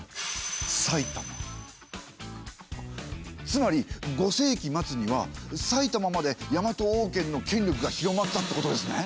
つまり５世紀末には埼玉までヤマト王権の権力が広まったってことですね。